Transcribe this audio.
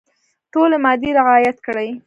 ټولي مادې رعیات کړي.